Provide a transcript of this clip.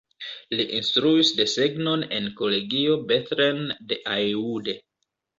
Li instruis desegnon en Kolegio Bethlen de Aiud.